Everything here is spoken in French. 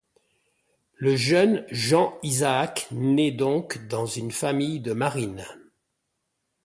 Le jeune Jean-Isaac naît donc dans une famille de marine.